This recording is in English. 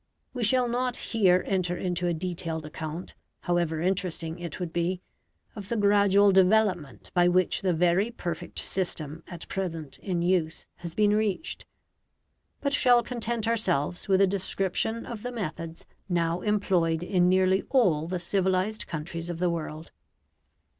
We shall not here enter into a detailed account, however interesting it would be, of the gradual development by which the very perfect system at present in use has been reached; but shall content ourselves with a description of the methods now employed in nearly all the civilized countries of the world.